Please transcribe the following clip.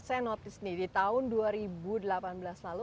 saya notice nih di tahun dua ribu delapan belas lalu